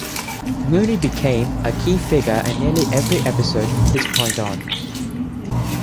Mooney became a key figure in nearly every episode from this point on.